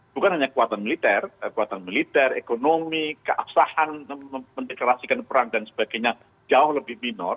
bukan hanya kekuatan militer kekuatan militer ekonomi keabsahan mendeklarasikan perang dan sebagainya jauh lebih minor